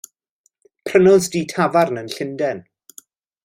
Prynodd dŷ tafarn yn Llundain.